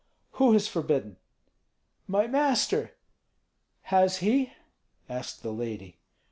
"Who has forbidden?" "My master." "Has he?" asked the lady.